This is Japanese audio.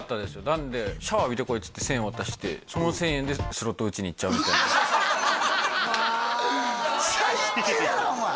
なんでシャワー浴びてこいっつって１０００円渡してその１０００円でスロット打ちに行っちゃうみたいなもう最低だなお前！